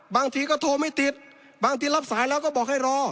บางทีก็โทรไม่ติดบางทีรับสายแล้วก็บอกให้รอ